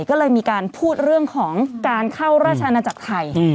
ก็เลยมีการพูดเรื่องของการเข้าราชอาณาจักรไทย